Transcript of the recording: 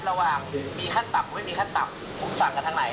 ระหว่างมีขั้นต่ำไม่มีขั้นต่ำสั่งกันทางไหน